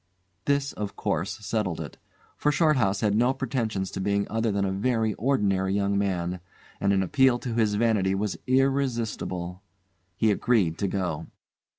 This, of course, settled it, for Shorthouse had no pretensions to being other than a very ordinary young man, and an appeal to his vanity was irresistible. He agreed to go.